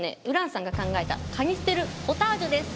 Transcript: ＵｒａＮさんが考えたカニステルポタージュです。